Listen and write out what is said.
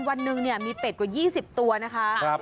วันหนึ่งมีเป็ดกว่า๒๐ตัวนะคะ